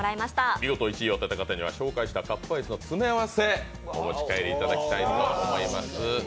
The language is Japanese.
見事１位を当てた方には、紹介したカップアイスの詰め合わせをお持ち帰りいただきたいと思います。